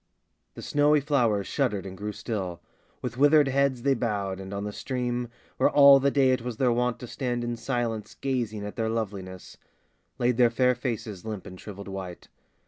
The snowy flowers shuddered and grew still; With withered heads they bowed, and on the stream Where all the day it was their wont to stand In silence gazing at their loveliness Laid their fair faces limp and shriveled white.